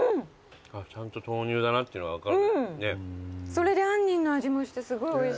それで杏仁の味もしてすごいおいしい。